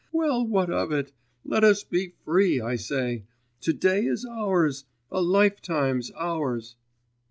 Well, what of it? Let us be free, I say. To day is ours a life time's ours.